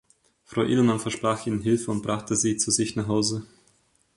Frau Edelmann versprach ihnen Hilfe und brachte sie zu sich nach Hause.